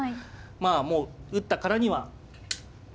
まあもう打ったからには行きまして。